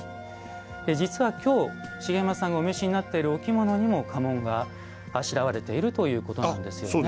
実は今日、茂山さんがお召しになっているお着物にも家紋があしらわれているということなんですよね。